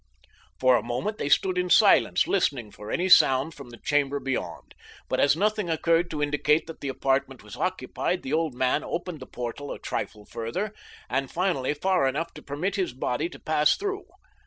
For a moment they stood in silence listening for any sound from the chamber beyond, but as nothing occurred to indicate that the apartment was occupied the old man opened the portal a trifle further, and finally far enough to permit his body to pass through.